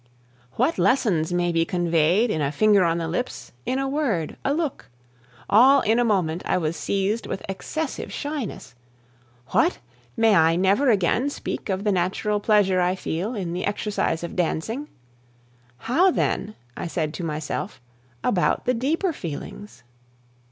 What lessons may be conveyed in a finger on the lips, in a word, a look! All in a moment I was seized with excessive shyness. What! may I never again speak of the natural pleasure I feel in the exercise of dancing? "How then," I said to myself, "about the deeper feelings?"